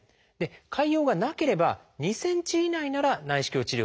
潰瘍がなければ２ｃｍ以内なら内視鏡治療ができます。